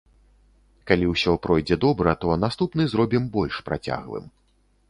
Калі ўсё пройдзе добра, то наступны зробім больш працяглым.